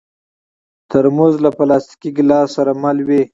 ترموز له پلاستيکي ګیلاس سره مل وي.